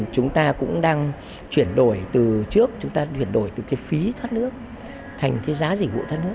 chúng ta cũng đang chuyển đổi từ trước chúng ta chuyển đổi từ cái phí thoát nước thành cái giá dịch vụ thoát nước